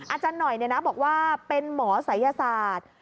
อาจารย์หน่อยบอกว่าเป็นหมอศัยศาสตร์